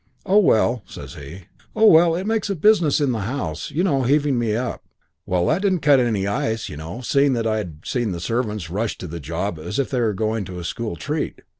"'Oh, well,' says he. 'Oh, well, it makes a business in the house, you know, heaving me up.' "Well, that didn't cut any ice, you know, seeing that I'd seen the servants rush to the job as if they were going to a school treat.